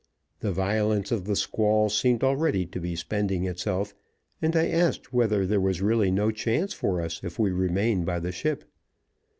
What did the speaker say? The violence of the squall seemed already to be spending itself, and I asked whether there was really no chance for us if we remained by the ship.